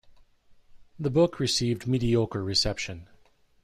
The book received mediocre reception.